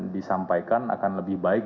disampaikan akan lebih baik